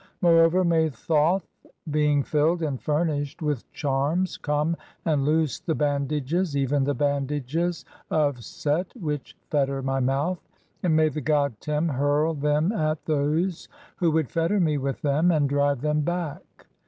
Moreover, may Thoth, being filled and furnished "with charms, come and loose the bandages, even the bandages "of Set which fetter my mouth (3) ; and may the god Tem hurl "them at those who would fetter [me] with them, and drive "them back.